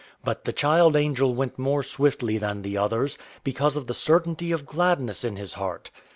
But the child angel went more swiftly than the others, because of the certainty of gladness in his heart.